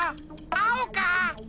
あおか？